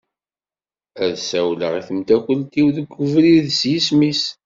Ad ssawleɣ i temdakelt-iw deg ubrid s yisem-is.